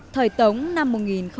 thời tống năm một nghìn tám